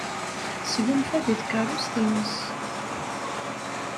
Tesgunfa deg tkeṛṛust-nnes.